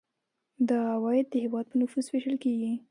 دا عواید د هیواد په نفوس ویشل کیږي.